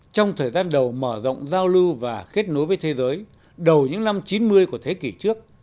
trong thời gian đầu mở rộng giao lưu và kết nối với thế giới đầu những năm chín mươi của thế kỷ trước